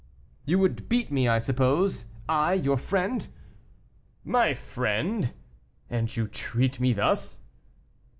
"You would beat me, I suppose; I, your friend." "My friend! and you treat me thus!"